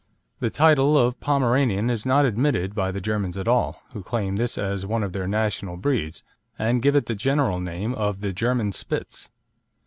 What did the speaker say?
The title of Pomeranian is not admitted by the Germans at all, who claim this as one of their national breeds, and give it the general name of the German Spitz.